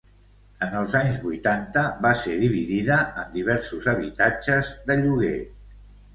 En els anys vuitanta va ser dividida en diversos habitatges de lloguer.